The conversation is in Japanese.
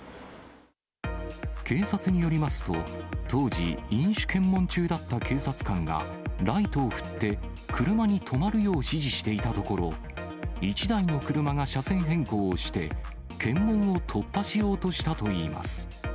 警察によりますと、当時、飲酒検問中だった警察官が、ライトを振って車に止まるよう指示していたところ、１台の車が車線変更をして、検問を突破しようとしたといいます。